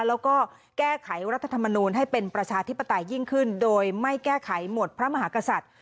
แล้วก็แก้ไขรัฐธรรมนูลให้เป็นประชาธิปไตยิ่งขึ้นโดยไม่แก้ไขหมวดพระมหากษัตริย์